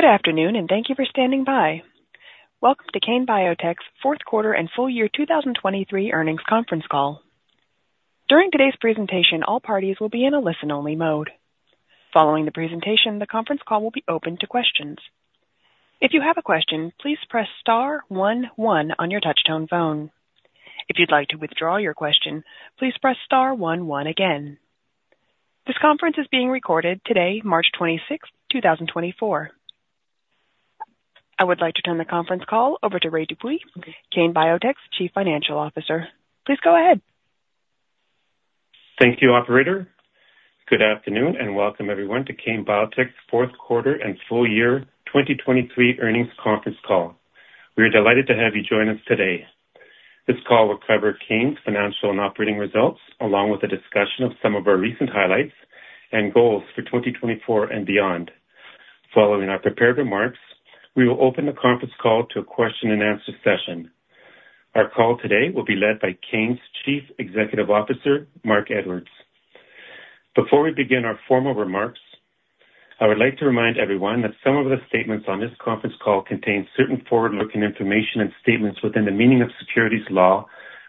Good afternoon, and thank you for standing by. Welcome to Kane Biotech's fourth quarter and full year 2023 earnings conference call. During today's presentation, all parties will be in a listen-only mode. Following the presentation, the conference call will be open to questions. If you have a question, please press star one one on your touchtone phone. If you'd like to withdraw your question, please press star one one again. This conference is being recorded today, March 26, 2024. I would like to turn the conference call over to Ray Dupuis, Kane Biotech's Chief Financial Officer. Please go ahead. Thank you, operator. Good afternoon and welcome everyone to Kane Biotech's fourth quarter and full year 2023 earnings conference call. We are delighted to have you join us today. This call will cover Kane's financial and operating results, along with a discussion of some of our recent highlights and goals for 2024 and beyond. Following our prepared remarks, we will open the conference call to a question-and-answer session. Our call today will be led by Kane's Chief Executive Officer, Marc Edwards. Before we begin our formal remarks, I would like to remind everyone that some of the statements on this conference call contain certain forward-looking information and statements within the meaning of securities law,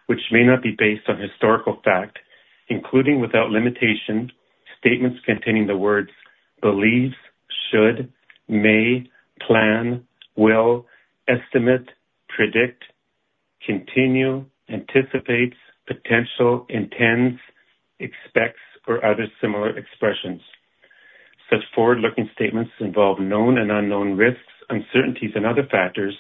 which may not be based on historical fact, including without limitation, statements containing the words believes, should, may, plan, will, estimate, predict, continue, anticipates, potential, intends, expects or other similar expressions. Such forward-looking statements involve known and unknown risks, uncertainties, and other factors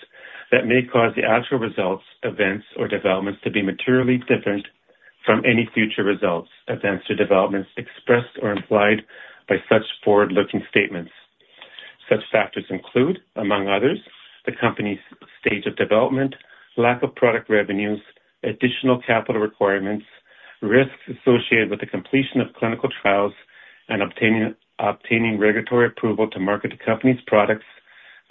that may cause the actual results, events, or developments to be materially different from any future results, events or developments expressed or implied by such forward-looking statements. Such factors include, among others, the company's stage of development, lack of product revenues, additional capital requirements, risks associated with the completion of clinical trials and obtaining regulatory approval to market the company's products,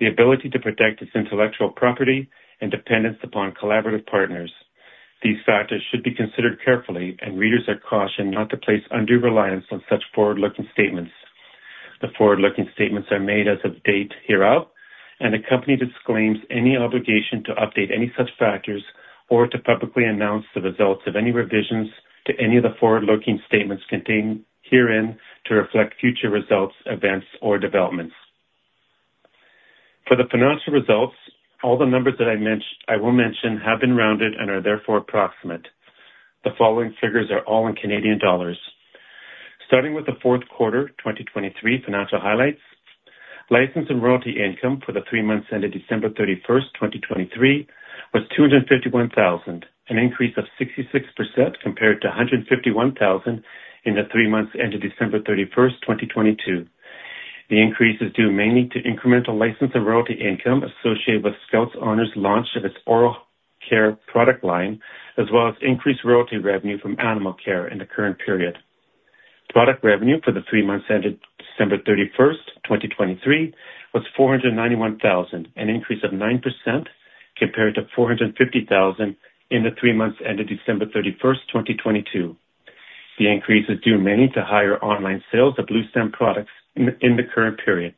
the ability to protect its intellectual property and dependence upon collaborative partners. These factors should be considered carefully and readers are cautioned not to place undue reliance on such forward-looking statements. The forward-looking statements are made as of the date hereof, and the company disclaims any obligation to update any such factors or to publicly announce the results of any revisions to any of the forward-looking statements contained herein to reflect future results, events, or developments. For the financial results, all the numbers that I mentioned, I will mention have been rounded and are therefore approximate. The following figures are all in Canadian dollars. Starting with the fourth quarter 2023 financial highlights, license and royalty income for the three months ended December 31, 2023, was 251,000, an increase of 66% compared to 151,000 in the three months ended December 31, 2022. The increase is due mainly to incremental license and royalty income associated with Skout's Honor's launch of its oral care product line, as well as increased royalty revenue from Animalcare in the current period. Product revenue for the three months ended December 31, 2023, was 491,000, an increase of 9% compared to 450,000 in the three months ended December 31, 2022. The increase is due mainly to higher online sales of Bluestem products in the current period.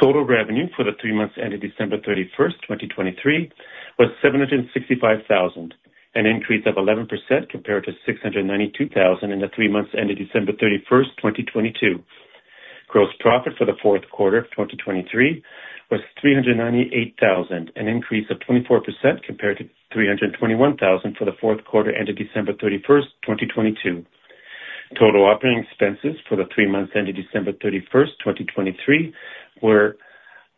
Total revenue for the three months ended December 31, 2023, was 765,000, an increase of 11% compared to 692,000 in the three months ended December 31, 2022. Gross profit for the fourth quarter of 2023 was 398,000, an increase of 24% compared to 321,000 for the fourth quarter ended December 31, 2022. Total operating expenses for the three months ended December 31, 2023, were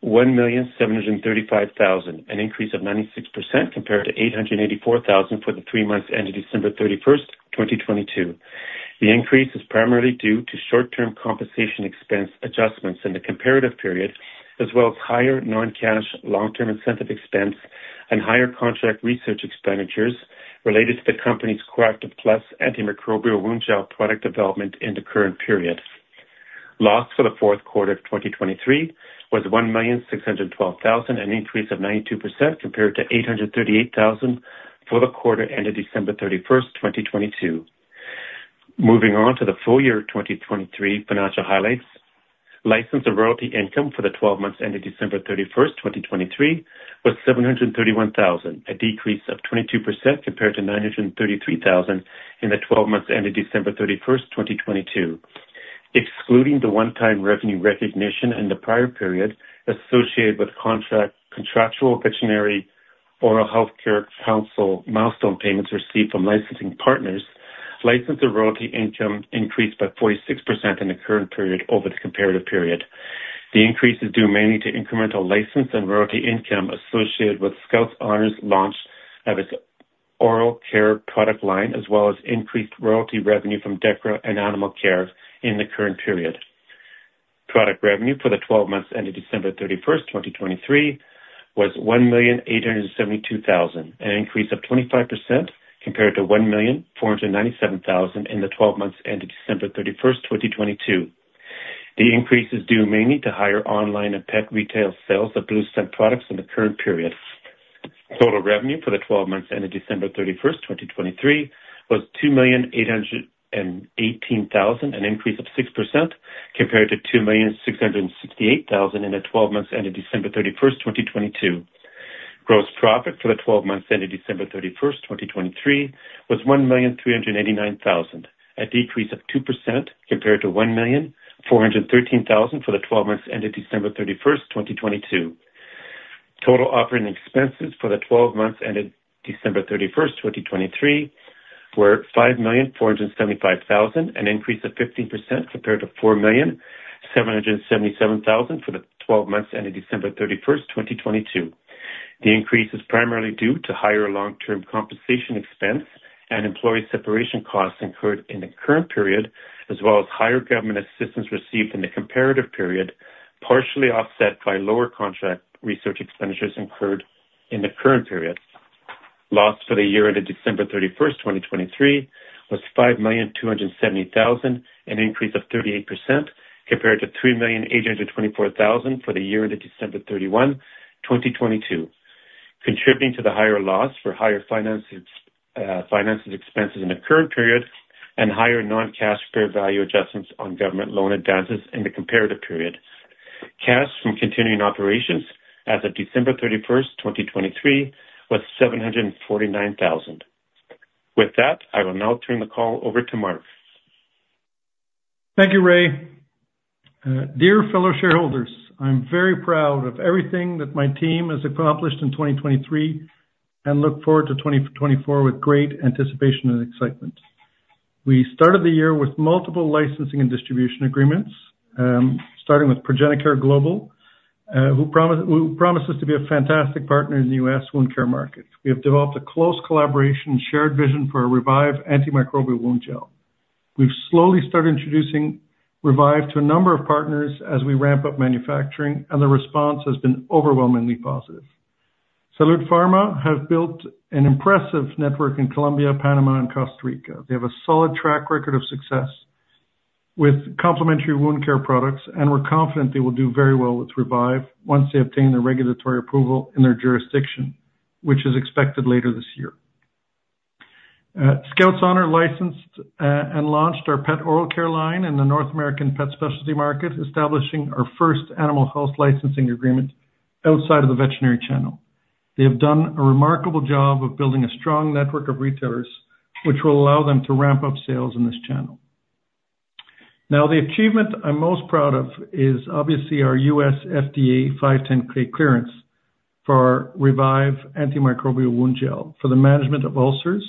1,735,000, an increase of 96% compared to 884,000 for the three months ended December 31, 2022. The increase is primarily due to short-term compensation expense adjustments in the comparative period, as well as higher non-cash long-term incentive expense and higher contract research expenditures related to the company's coactiv+ antimicrobial wound gel product development in the current period. Loss for the fourth quarter of 2023 was 1,612,000, an increase of 92% compared to 838,000 for the quarter ended December 31, 2022. Moving on to the full year 2023 financial highlights. License and royalty income for the 12 months ended December 31, 2023, was 731,000, a decrease of 22% compared to 933,000 in the 12 months ended December 31, 2022. Excluding the one-time revenue recognition in the prior period associated with contract, contractual Veterinary Oral Health Council milestone payments received from licensing partners, license and royalty income increased by 46% in the current period over the comparative period. The increase is due mainly to incremental license and royalty income associated with Skout's Honor's launch of its oral care product line, as well as increased royalty revenue from Dechra and Animalcare in the current period. Product revenue for the 12 months ended December 31, 2023, was 1,872,000, an increase of 25% compared to 1,497,000 in the 12 months ended December 31, 2022. The increase is due mainly to higher online and pet retail sales of Bluestem products in the current period. Total revenue for the twelve months ended December 31, 2023, was 2.818 million, an increase of 6% compared to 2.668 million in the twelve months ended December 31, 2022. Gross profit for the twelve months ended December 31, 2023, was 1.389 million, a decrease of 2% compared to 1.413 million for the twelve months ended December 31, 2022. Total operating expenses for the twelve months ended December 31, 2023, were 5.475 million, an increase of 15% compared to 4.777 million for the twelve months ended December 31, 2022. The increase is primarily due to higher long-term compensation expense and employee separation costs incurred in the current period, as well as higher government assistance received in the comparative period, partially offset by lower contract research expenditures incurred in the current period. Loss for the year ended December 31, 2023, was 5,270,000, an increase of 38% compared to 3,824,000 for the year ended December 31, 2022. Contributing to the higher loss were higher finances, finances expenses in the current period and higher non-cash fair value adjustments on government loan advances in the comparative period. Cash from continuing operations as of December 31, 2023, was 749,000. With that, I will now turn the call over to Marc. Thank you, Ray. Dear fellow shareholders, I'm very proud of everything that my team has accomplished in 2023 and look forward to 2024 with great anticipation and excitement. We started the year with multiple licensing and distribution agreements, starting with ProgenaCare Global, who promises to be a fantastic partner in the U.S. wound care market. We have developed a close collaboration and shared vision for revyve antimicrobial wound gel. We've slowly started introducing revyve to a number of partners as we ramp up manufacturing, and the response has been overwhelmingly positive. Salud Pharma have built an impressive network in Colombia, Panama and Costa Rica. They have a solid track record of success with complementary wound care products, and we're confident they will do very well with revyve once they obtain the regulatory approval in their jurisdiction, which is expected later this year. Skout's Honor licensed and launched our pet oral care line in the North American pet specialty market, establishing our first animal health licensing agreement outside of the veterinary channel. They have done a remarkable job of building a strong network of retailers, which will allow them to ramp up sales in this channel. Now, the achievement I'm most proud of is obviously our U.S. FDA 510(k) clearance for our revyve antimicrobial wound gel for the management of ulcers,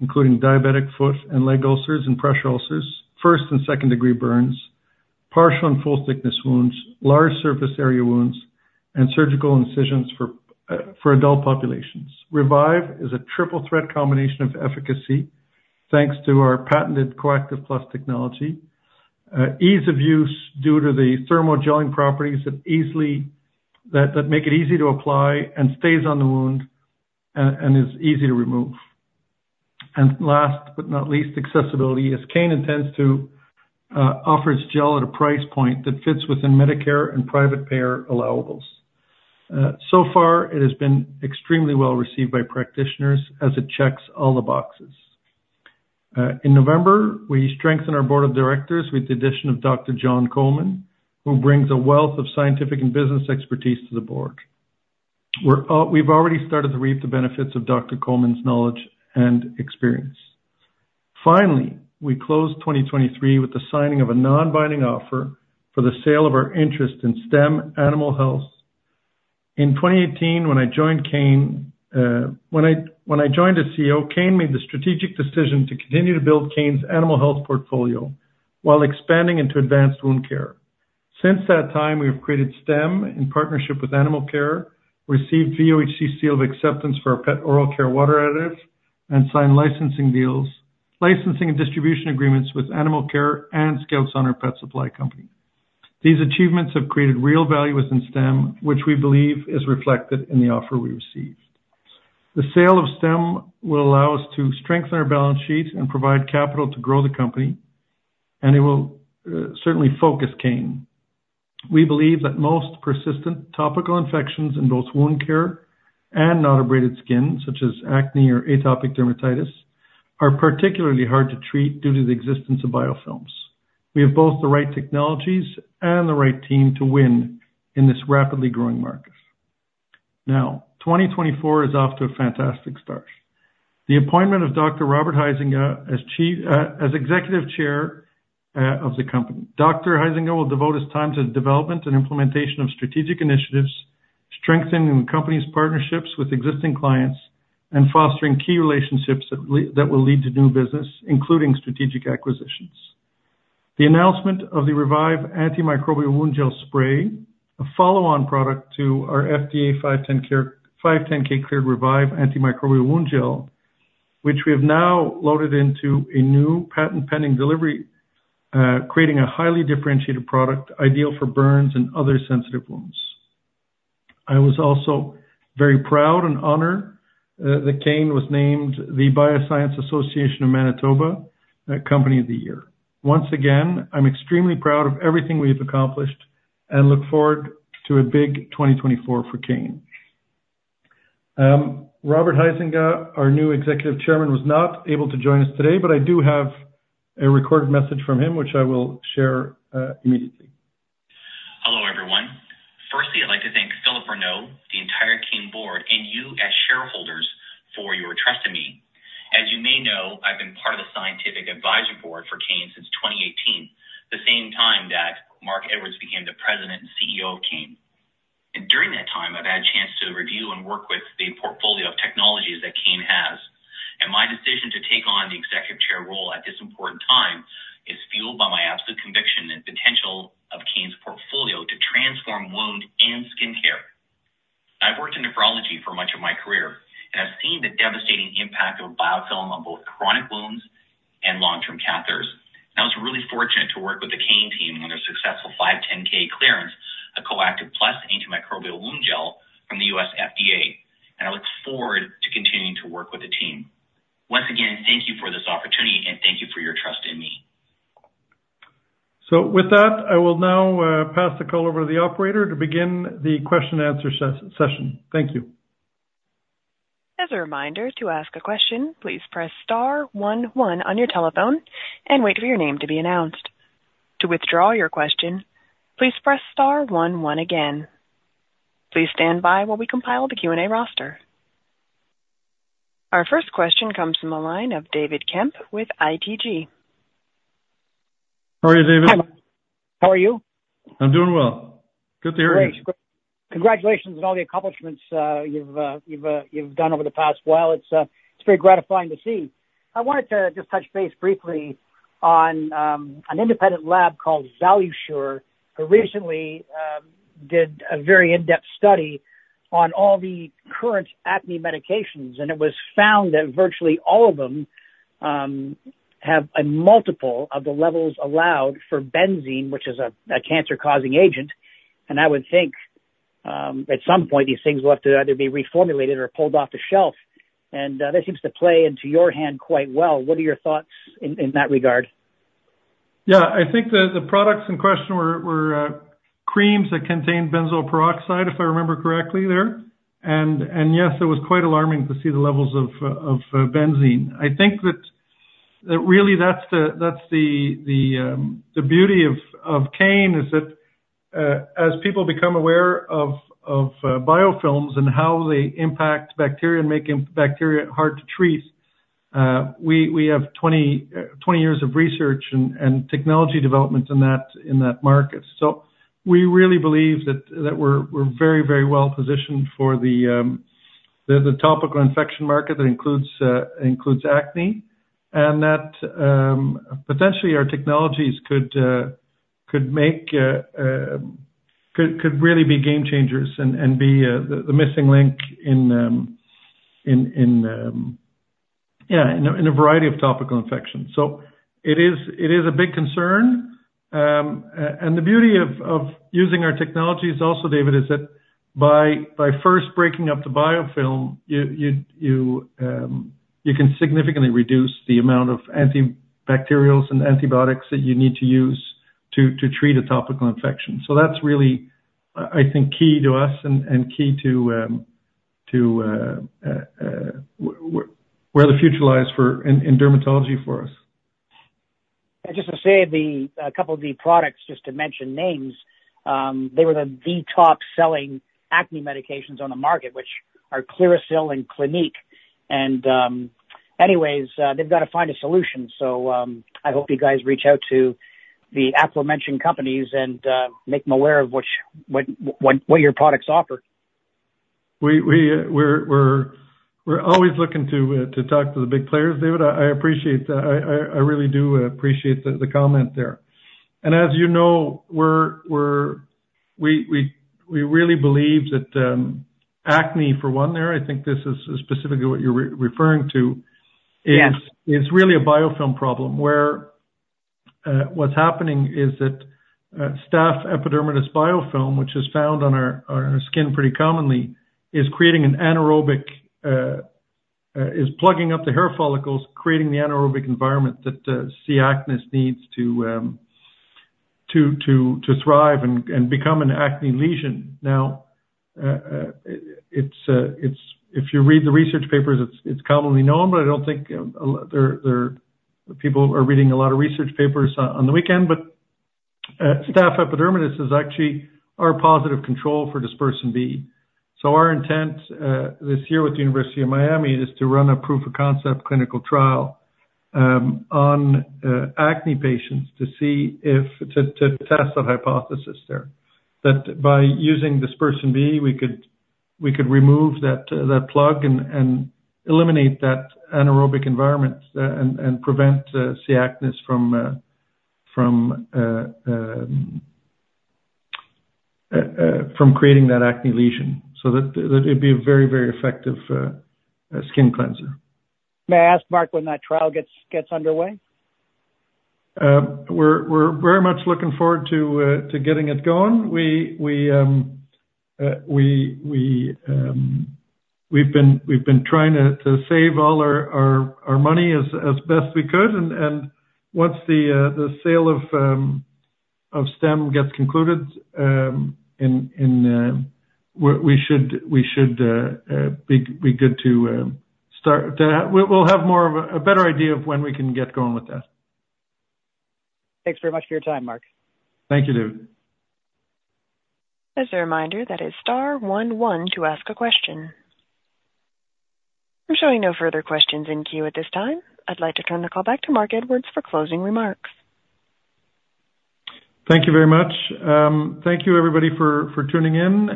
including diabetic foot and leg ulcers and pressure ulcers, first and second degree burns, partial and full thickness wounds, large surface area wounds, and surgical incisions for adult populations. revyve is a triple threat combination of efficacy, thanks to our patented coactiv+ technology, ease of use due to the thermal gelling properties that make it easy to apply and stays on the wound, and is easy to remove. And last but not least, accessibility, as Kane intends to offer its gel at a price point that fits within Medicare and private payer allowables. So far it has been extremely well received by practitioners as it checks all the boxes. In November, we strengthened our board of directors with the addition of Dr. John Coleman, who brings a wealth of scientific and business expertise to the board. We're, we've already started to reap the benefits of Dr. Coleman's knowledge and experience. Finally, we closed 2023 with the signing of a non-binding offer for the sale of our interest in STEM Animal Health. In 2018, when I joined Kane as CEO, Kane made the strategic decision to continue to build Kane's animal health portfolio while expanding into advanced wound care. Since that time, we have created STEM in partnership with Animalcare, received VOHC seal of acceptance for our pet oral care water additives, and signed licensing deals, licensing and distribution agreements with Animalcare and Skout's Honor Pet Supply Company. These achievements have created real value within STEM, which we believe is reflected in the offer we received. The sale of STEM will allow us to strengthen our balance sheet and provide capital to grow the company, and it will certainly focus Kane. We believe that most persistent topical infections in both wound care and unabraded skin, such as acne or atopic dermatitis, are particularly hard to treat due to the existence of biofilms. We have both the right technologies and the right team to win in this rapidly growing market. Now, 2024 is off to a fantastic start. The appointment of Dr. Robert Huizinga as chief, as Executive Chair, of the company. Dr. Huizinga will devote his time to the development and implementation of strategic initiatives, strengthening the company's partnerships with existing clients, and fostering key relationships that will lead to new business, including strategic acquisitions. The announcement of the revyve Antimicrobial Wound Gel Spray, a follow-on product to our FDA 510(k) cleared revyve Antimicrobial Wound Gel, which we have now loaded into a new patent-pending delivery, creating a highly differentiated product ideal for burns and other sensitive wounds. I was also very proud and honored that Kane was named the Bioscience Association of Manitoba Company of the Year. Once again, I'm extremely proud of everything we've accomplished and look forward to a big 2024 for Kane. Robert Huizinga, our new Executive Chairman, was not able to join us today, but I do have a recorded message from him, which I will share immediately. Hello, everyone. Firstly, I'd like to thank Philip Renaud, the entire Kane board, and you as shareholders for your trust in me. As you may know, I've been part of the scientific advisory board for Kane since 2018, the same time that Marc Edwards became the President and CEO of Kane. During that time, I've had a chance to review and work with the portfolio of technologies that Kane has. My decision to take on the executive chair role at this important time is fueled by my absolute conviction and potential of Kane's portfolio to transform wound and skin care. I've worked in nephrology for much of my career and have seen the devastating impact of biofilm on both chronic wounds and long-term catheters. I was really fortunate to work with the Kane team on their successful 510(k) clearance, a coactiv+ antimicrobial wound gel from the U.S. FDA, and I look forward to continuing to work with the team. Once again, thank you for this opportunity, and thank you for your trust in me. With that, I will now pass the call over to the operator to begin the question and answer session. Thank you. As a reminder, to ask a question, please press star one one on your telephone and wait for your name to be announced. To withdraw your question, please press star one one again. Please stand by while we compile the Q&A roster. Our first question comes from the line of David Kemp with ITG. How are you, David? How are you? I'm doing well. Good to hear you. Great. Congratulations on all the accomplishments, you've done over the past while. It's very gratifying to see. I wanted to just touch base briefly on an independent lab called Valisure, who recently did a very in-depth study on all the current acne medications, and it was found that virtually all of them have a multiple of the levels allowed for benzene, which is a cancer-causing agent. And I would think at some point, these things will have to either be reformulated or pulled off the shelf, and that seems to play into your hand quite well. What are your thoughts in that regard? Yeah, I think the products in question were creams that contained benzoyl peroxide, if I remember correctly there. And yes, it was quite alarming to see the levels of benzene. I think that really that's the beauty of Kane, is that as people become aware of biofilms and how they impact bacteria and making bacteria hard to treat, we have 20 years of research and technology development in that market. So we really believe that we're very well positioned for the topical infection market that includes acne, and that potentially our technologies could really be game changers and be the missing link in a variety of topical infections. So it is a big concern. And the beauty of using our technology is also, David, that by first breaking up the biofilm, you can significantly reduce the amount of antibacterials and antibiotics that you need to use to treat a topical infection. So that's really, I think, key to us and key to where the future lies in dermatology for us. Just to say, a couple of the products, just to mention names, they were the top-selling acne medications on the market, which are Clearasil and Clinique. Anyways, they've got to find a solution. I hope you guys reach out to the aforementioned companies and make them aware of what your products offer. We're always looking to talk to the big players, David. I really do appreciate the comment there. And as you know, we're really believe that acne, for one there, I think this is specifically what you're referring to- Yes... is really a biofilm problem, where, what's happening is that, Staph epidermidis biofilm, which is found on our skin pretty commonly, is creating an anaerobic, is plugging up the hair follicles, creating the anaerobic environment that, C. acnes needs to, to, thrive and, become an acne lesion. Now, it's... If you read the research papers, it's commonly known, but I don't think a lot... there, people are reading a lot of research papers on the weekend, but, Staph epidermidis is actually our positive control for DispersinB. So our intent this year with the University of Miami is to run a proof of concept clinical trial on acne patients to see if... to test the hypothesis there. That by using DispersinB, we could remove that plug and eliminate that anaerobic environment, and prevent C. acnes from creating that acne lesion. So that it'd be a very effective skin cleanser. May I ask, Marc, when that trial gets underway? We're very much looking forward to getting it going. We've been trying to save all our money as best we could. Once the sale of Stem gets concluded, we should be good to start. We'll have more of a better idea of when we can get going with that. Thanks very much for your time, Marc. Thank you, David. As a reminder, that is star one one to ask a question. I'm showing no further questions in queue at this time. I'd like to turn the call back to Marc Edwards for closing remarks. Thank you very much. Thank you, everybody, for tuning in.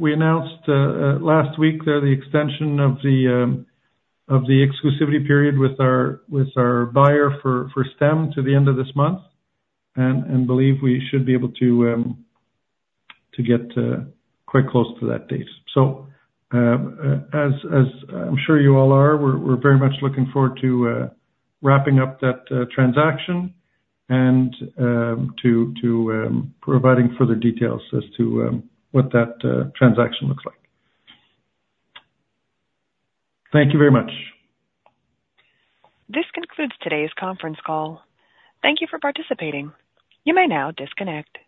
We announced last week the extension of the exclusivity period with our buyer for STEM to the end of this month. And believe we should be able to get quite close to that date. So, as I'm sure you all are, we're very much looking forward to wrapping up that transaction and to providing further details as to what that transaction looks like. Thank you very much. This concludes today's conference call. Thank you for participating. You may now disconnect.